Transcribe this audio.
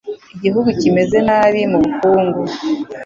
Igihugu kimeze nabi mubukungu.